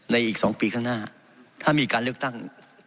อีก๒ปีข้างหน้าถ้ามีการเลือกตั้ง